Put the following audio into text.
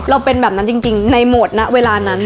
เป็นแบบนั้นจริงในโหมดณเวลานั้น